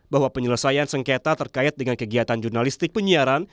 bahwa penyelesaian sengketa terkait dengan kegiatan jurnalistik penyiaran